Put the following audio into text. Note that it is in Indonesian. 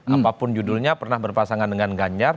apapun judulnya pernah berpasangan dengan ganjar